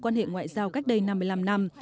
quan hệ ngoại giao cách đây năm mươi năm năm